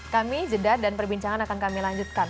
kami jeda dan perbincangan akan kami lanjutkan